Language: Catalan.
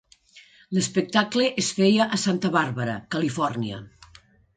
L'espectacle es feia a Santa Bàrbara, Califòrnia.